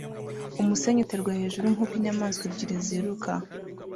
Umusenyi uterwa hejuru nkuko inyamaswa ebyiri ziruka